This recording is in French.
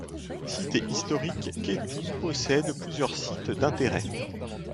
Cité historique, Kétou possède plusieurs sites d’intérêt.